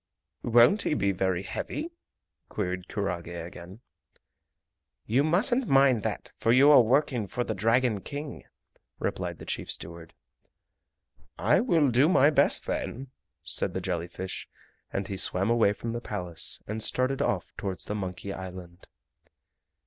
"Won't he be very heavy?" queried kurage again. "You mustn't mind that, for you are working for the Dragon King," replied the chief steward. "I will do my best then," said the jelly fish, and he swam away from the Palace and started off towards the Monkey Island.